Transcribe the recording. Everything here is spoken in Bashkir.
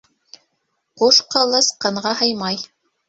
Ҡуш ҡылыс ҡынға һыймай.